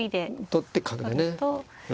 取って角でね。